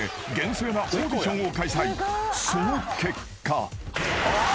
［その結果］